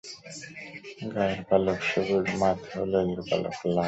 গায়ের পালক সবুজ, মাথা এবং লেজের পালক লাল।